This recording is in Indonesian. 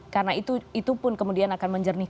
karena itu pun kemudian akan menjernihkan